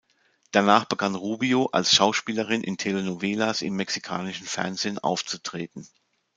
Danach begann Rubio, als Schauspielerin in Telenovelas im mexikanischen Fernsehen aufzutreten.